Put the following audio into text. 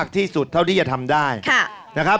กลับเข้าสู่รายการออบาตอร์มาหาสนุกกันอีกครั้งครับ